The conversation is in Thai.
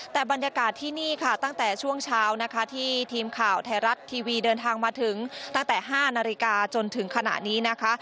แต่บรรยากาศที่นี่ค่ะตั้งแต่ช่วงเช้านะคะที่ทีมข่าวไทยรัฐทีวีเดินทางมาถึงตั้งแต่๕นาฬิกาจนถึงขณะนี้นะคะ